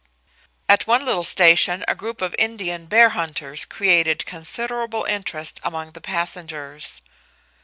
At one little station a group of Indian bear hunters created considerable interest among the passengers.